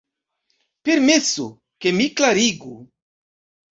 Permesu, ke mi klarigu.